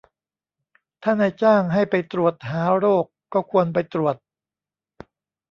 ถ้านายจ้างให้ไปตรวจหาโรคก็ควรไปตรวจ